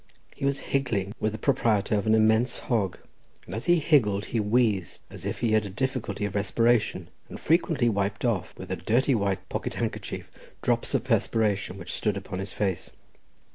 He was higgling with the proprietor of an immense hog, and as he higgled he wheezed as if he had a difficulty of respiration, and frequently wiped off, with a dirty white pocket handkerchief, drops of perspiration which stood upon his face.